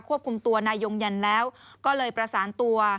คุมตัวนายยงยันแล้วก็เลยประสานตัว